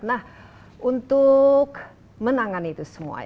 nah untuk menangani itu semua